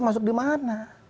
masuk di mana